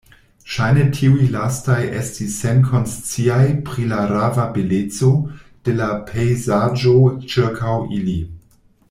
Ŝajne tiuj lastaj estis senkonsciaj pri la rava beleco de la pejzaĝo ĉirkaŭ ili.